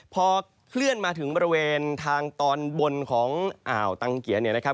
พอเคลื่อนมาถึงบริเวณทางตอนบนของอ่าวตังเกียร์